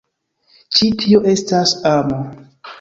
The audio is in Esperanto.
Ĉi tio estas amo.